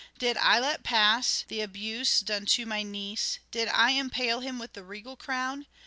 Did I let pass the abuse done to my niece ? Did I impale him with the regal crown